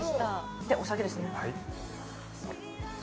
で、お酒ですね。